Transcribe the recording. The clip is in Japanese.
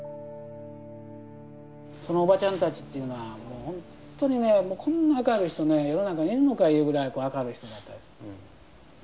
そのおばちゃんたちはホントにねこんな明るい人世の中いるのかいうぐらい明るい人だったです。